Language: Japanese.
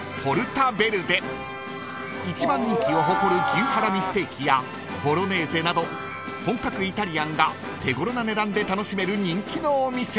［一番人気を誇る牛ハラミステーキやボロネーゼなど本格イタリアンが手頃な値段で楽しめる人気のお店］